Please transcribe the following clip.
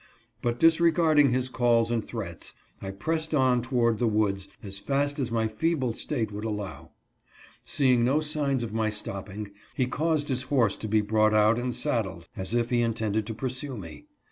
But, disregarding his calls and threats, I pressed on toward the woods as fast as my feeble state would allow. Seeing no signs of my stopping, he caused his horse to be brought out and saddled, as if he intended to pursue me.